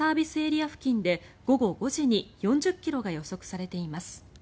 付近で午後５時に４０ｋｍが予測されています。